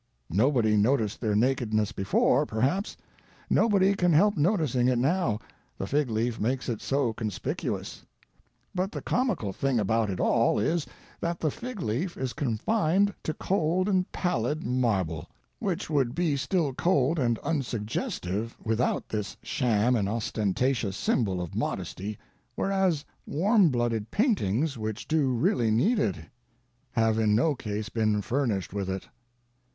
Nobody noticed their nakedness before, perhaps; nobody can help noticing it now, the fig leaf makes it so conspicuous. But the comical thing about it all, is, that the fig leaf is confined to cold and pallid marble, which would be still cold and unsuggestive without this sham and ostentatious symbol of modesty, whereas warm blooded paintings which do really need it have in no case been furnished with it.